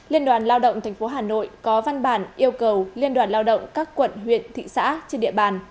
liên đoàn lao động tp hà nội có văn bản yêu cầu liên đoàn lao động các quận huyện thị xã trên địa bàn